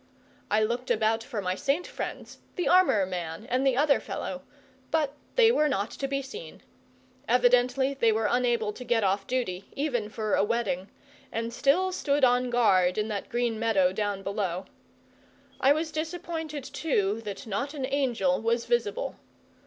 I looked about for my saint friends the armour man and the other fellow but they were not to be seen. Evidently they were unable to get off duty, even for a wedding, and still stood on guard in that green meadow down below. I was disappointed, too, that not an angel was visible.